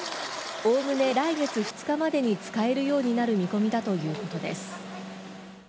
おおむね来月２日までに使えるようになる見込みだということです。